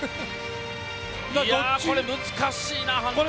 これ、難しいな判定。